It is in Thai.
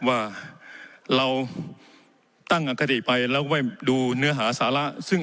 ว่าเราตั้งอคติไปแล้วไว้ดูเนื้อหาสาระซึ่ง